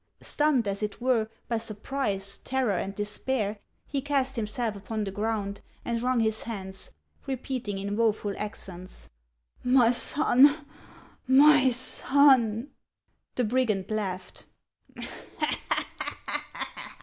Stunned, as it were, by sur prise, terror, and despair, he cast himself upon the ground, and wrung his hands, repeating in woful accents :" My son ! my son !" The brigand laughed.